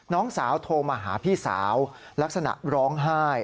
น้องสาวโทรมาหาพี่สาวลักษณะร้องไห้